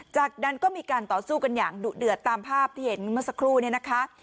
จากนั้นก็มีการต่อสู้กันอย่างดุเดือดตามภาพที่เห็นเมื่อสักครู่เนี่ยนะคะ